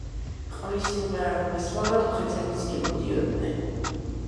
ყმის სიმღერა რომ ესმოდათ, მხეცებიც კი მოდიოდნენ.